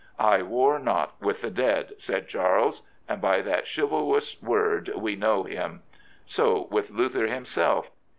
" I war not with the dead," said Charles, and by that chivalrous word we know him. So with Luther himself.